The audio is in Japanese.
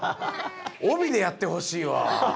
おびでやってほしいわ。